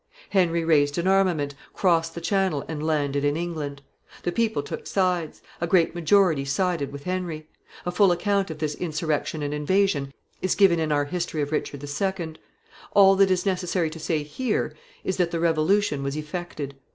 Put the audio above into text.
Henry raised an armament, crossed the Channel, and landed in England. The people took sides. A great majority sided with Henry. A full account of this insurrection and invasion is given in our history of Richard II. All that it is necessary to say here is that the revolution was effected.